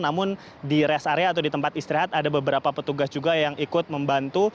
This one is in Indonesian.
namun di rest area atau di tempat istirahat ada beberapa petugas juga yang ikut membantu